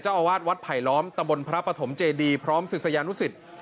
อาวาสวัดไผลล้อมตะบนพระปฐมเจดีพร้อมศิษยานุสิต